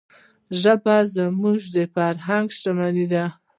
ژبه زموږ فرهنګي شتمني ده.